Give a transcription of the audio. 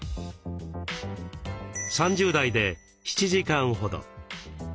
３０代で７時間ほど。